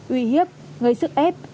uy hiếp gây sức ép